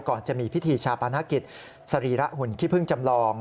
ก่อนจะมีพิธีชาปานศักดิ์ศรีระหุ่นขี้พึ่งจำลอง